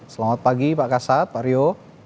selamat pagi pak kasat pak rio